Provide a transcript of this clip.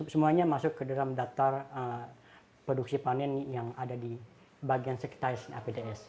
semuanya masuk ke dalam daftar produksi panen yang ada di bagian sekitar apds